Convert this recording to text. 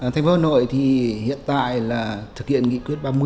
thành phố hà nội thì hiện tại là thực hiện nghị quyết ba mươi